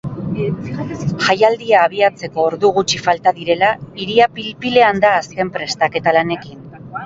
Jaialdia abiatzeko ordu gutxi falta direla, hiria pil-pilean da azken prestaketa lanekin.